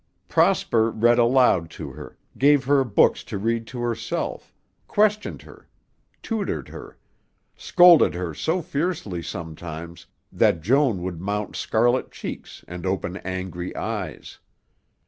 Prosper read aloud to her, gave her books to read to herself, questioned her, tutored her, scolded her so fiercely sometimes that Joan would mount scarlet cheeks and open angry eyes.